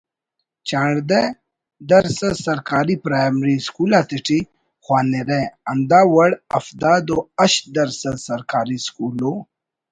چانڑدہ درسَد سرکاری پرائمری سکول آتیٹی خوانرہ ہندا وڑ ہفتاد و ہشت درسَد سرکاری سکول ءُ